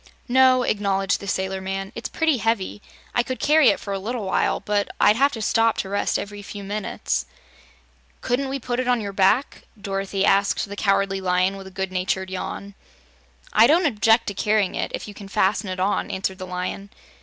"No," acknowledged the sailor man; "it's pretty heavy. I could carry it for a little while, but I'd have to stop to rest every few minutes." "Couldn't we put it on your back?" Dorothy asked the Cowardly Lion, with a good natured yawn. "I don't object to carrying it, if you can fasten it on," answered the Lion.